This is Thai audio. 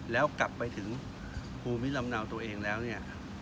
แล้วกลับไปถึงภูมิลำเนาตัวเองแล้วเนี่ย